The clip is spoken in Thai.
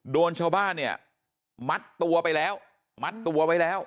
โดนชาวบ้านเนี่ยมัดตัวไปแล้วมัดตัวไว้แล้ว